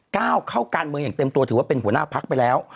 ก้าวเข้าการเมืองอย่างเต็มตัวถือว่าเป็นหัวหน้าพักไปแล้ว